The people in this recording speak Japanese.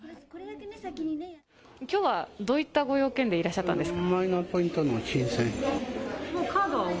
きょうはどういったご用件でいらっしゃったんですか。